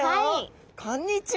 こんにちは。